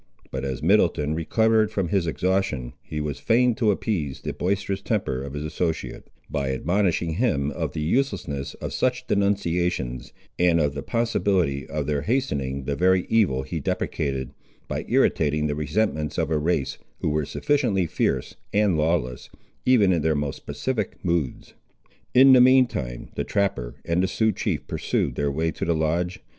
But as Middleton recovered from his exhaustion he was fain to appease the boisterous temper of his associate, by admonishing him of the uselessness of such denunciations, and of the possibility of their hastening the very evil he deprecated, by irritating the resentments of a race, who were sufficiently fierce and lawless, even in their most pacific moods. In the mean time the trapper and the Sioux chief pursued their way to the lodge.